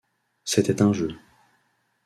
C’était un jeu.